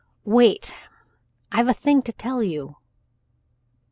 Wait! I've a thing to tell you."